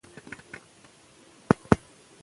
په ټول هېواد کې کمپاین دوام لري.